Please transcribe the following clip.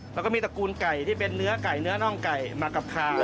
แล้วก็มีตระกูลไก่ที่เป็นเนื้อไก่เนื้อน่องไก่มากับคา